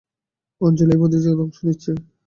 অঞ্জলিও এই প্রতিযোগিতায় অংশ নিচ্ছে।